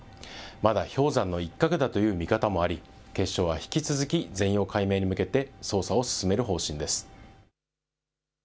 まだ氷山の一角だという見方もあり、警視庁は引き続き、全容解明に向けて捜査を進める方針です。